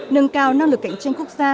nâng cao năng lực cạnh tranh quốc gia